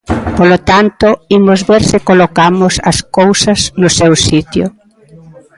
Polo tanto, imos ver se colocamos as cousas no seu sitio.